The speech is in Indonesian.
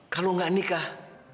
kalau gak nikah